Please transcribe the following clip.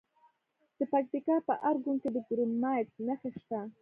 د پکتیکا په ارګون کې د کرومایټ نښې شته.